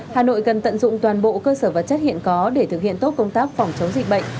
hà nội cần tận dụng toàn bộ cơ sở vật chất hiện có để thực hiện tốt công tác phòng chống dịch bệnh